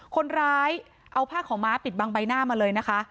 คนร้ายเอาผ้าขาวม้าปิดบังใบหน้ามาเลยนะคะ